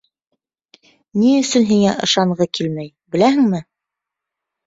Ни өсөн һиңә ышанғы килмәй, беләһеңме?